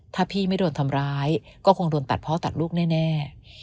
ถ้าพี่ไม่โดนทำร้ายก็คงโดนตัดพ่อตัดลูกแน่